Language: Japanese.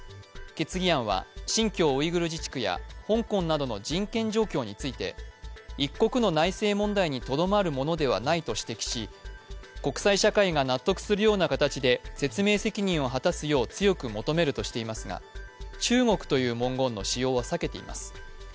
決議案は、新疆ウイグル自治区や香港などの人権状況について一国の内政問題にとどまるものではないと指摘し国際社会が納得するような形で説明責任を果たすよう強く求めるとしていますが中国という文言の使用は避けています。